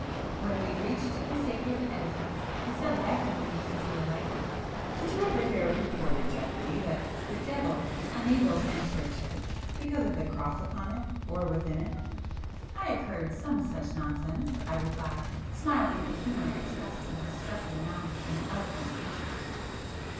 When we reached the sacred edifice, he said laughingly as he alighted— "Did you ever hear it reported, Geoffrey, that the devil is unable to enter a church, because of the cross upon it, or within it?" "I have heard some such nonsense,"—I replied, smiling at the humour expressed in his sparkling eyes and eloquent features.